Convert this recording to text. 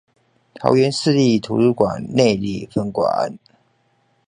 桃園市立圖書館內壢分館